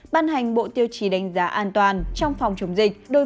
ban hành bộ tiêu chí đánh giá an toàn trong phòng chống dịch